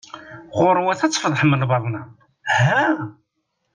Ɣuṛwet ad tfeḍḥem lbaḍna! ha!